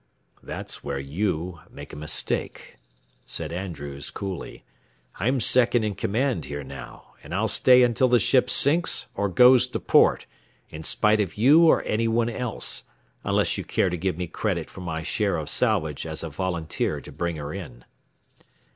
"That's where you make a mistake," said Andrews, coolly. "I'm second in command here now, and I'll stay until the ship sinks or goes to port, in spite of you or any one else, unless you care to give me credit for my share of salvage as a volunteer to bring her in."